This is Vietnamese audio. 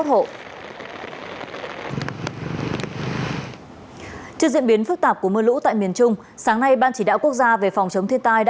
trước diễn biến phức tạp của mưa lũ tại miền trung sáng nay ban chỉ đạo quốc gia về phòng chống thiên tai đã